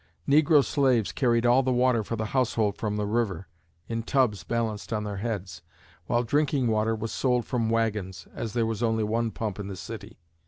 Negro slaves carried all the water for the household from the river, in tubs balanced on their heads, while drinking water was sold from wagons, as there was only one pump in the city.